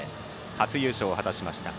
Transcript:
初優勝を果たしました。